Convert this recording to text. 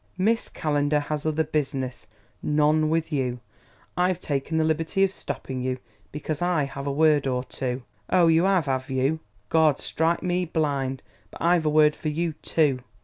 "Miss Calendar has other business none with you. I've taken the liberty of stopping you because I have a word or two " "Ow, you 'ave, 'ave you? Gawd strike me blind, but I've a word for you, too!...